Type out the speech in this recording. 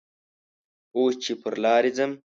اوس چې پر لارې ځم